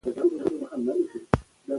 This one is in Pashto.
ولې په ښوونځي کې د ماشومانو زړونه نه ماتیږي؟